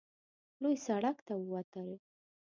لوی سړک ته ووتل.